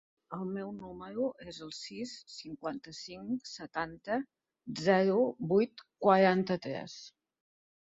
El meu número es el sis, cinquanta-cinc, setanta, zero, vuit, quaranta-tres.